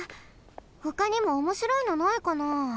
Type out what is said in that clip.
ほかにもおもしろいのないかな？